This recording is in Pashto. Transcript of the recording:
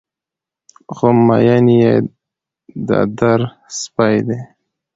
خو مين يې د در سپى دى